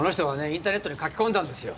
インターネットに書き込んだんですよ。